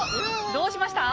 どうしました？